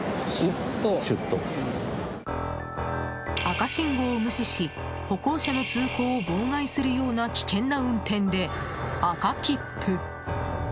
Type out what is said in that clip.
赤信号を無視し歩行者の通行を妨害するような危険な運転で赤切符。